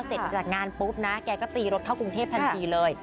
เสร็จจากงานปุ๊บนะแกก็ตีรถเข้ากรุงเทพทันทีเลย